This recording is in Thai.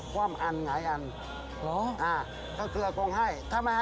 ครับถ้าเอาคงไม่ให้เนี่ย